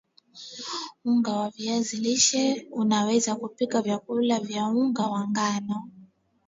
unga wa viazi lishe unaweza kupika vyakula vya unga wa ngano